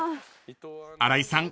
［新井さん